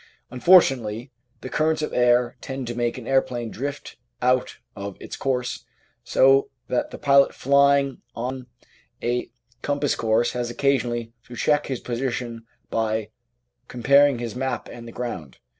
Unfortunately the currents of air tend to make an aeroplane drift out of its course, so that the pilot flying on a cempass course has occasionally to check his position by compar ing his map and the ground.